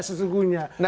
nah tapi politiknya gimana